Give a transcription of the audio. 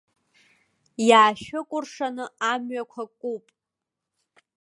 Иаашәыкәыршаны амҩақәа куп!